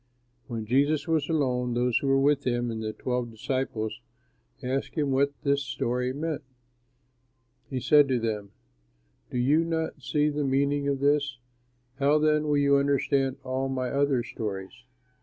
When Jesus was alone, those who were with him and the twelve disciples asked him what this story meant. He said to them, "Do you not see the meaning of this? How then will you understand all my other stories?